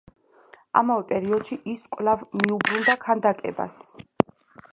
ამავე პერიოდში ის კვლავ მიუბრუნდა ქანდაკებას.